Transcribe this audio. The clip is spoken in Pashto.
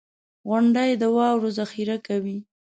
• غونډۍ د واورو ذخېره کوي.